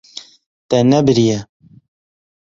Te nebiriye.